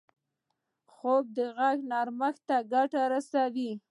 خوب د غږ نرمښت ته ګټه رسوي